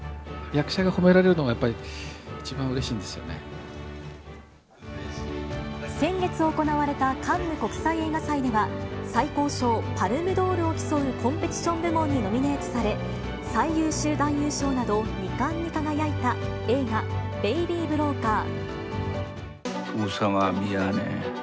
役者が褒められるのが、先月行われたカンヌ国際映画祭では、最高賞、パルムドールを競うコンペティション部門にノミネートされ、最優秀男優賞など、２冠に輝いた映画、ベイビー・ブローカー。